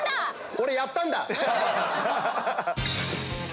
俺やったんだ！